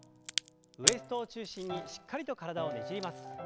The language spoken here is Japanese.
ウエストを中心にしっかりと体をねじります。